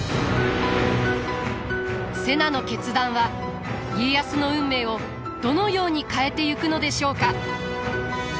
瀬名の決断は家康の運命をどのように変えてゆくのでしょうか？